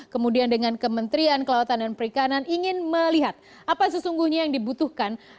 kementerian keluatan dan perikanan ingin melihat apa sesungguhnya yang dibutuhkan